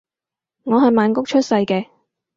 我係曼谷出世嘅